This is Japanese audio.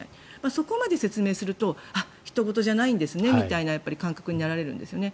そこまで説明するとひと事じゃないんですねって感覚になられるんですね。